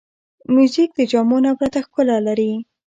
موزیک د جامو نه پرته ښکلا لري.